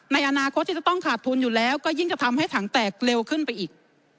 ในอนาคตที่จะต้องขาดทุนอยู่แล้วก็ยิ่งจะทำให้ถังแตกเร็วขึ้นไปอีก